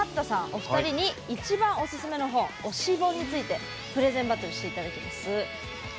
お二人に、一番おすすめの本推し本についてプレゼンバトルしていただきます。